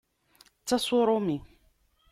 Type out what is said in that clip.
D tasa uṛumi!